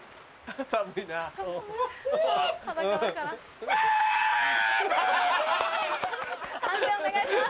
フゥ‼判定お願いします。